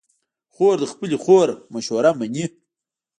خور د خپلې خور مشوره منې.